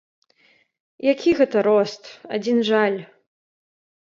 Які гэта рост, адзін жаль.